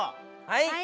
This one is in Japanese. はい！